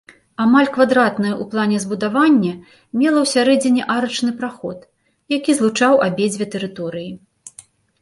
Амаль квадратнае ў плане збудаванне мела ў сярэдзіне арачны праход, які злучаў абедзве тэрыторыі.